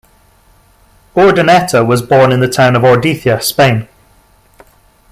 Urdaneta was born in the town of Ordizia, Spain.